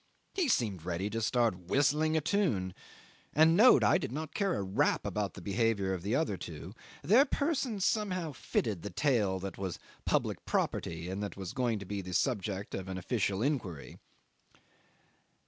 He seemed ready to start whistling a tune. And note, I did not care a rap about the behaviour of the other two. Their persons somehow fitted the tale that was public property, and was going to be the subject of an official inquiry.